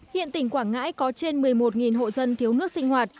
hiện tỉnh quảng ngãi có trên một mươi một hộ dân thiếu nước sinh hoạt